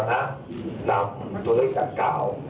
นำตัวเลือกกัดกล่าว